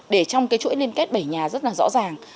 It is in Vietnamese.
để trong cái chuỗi liên kết bảy nhà rất là rõ ràng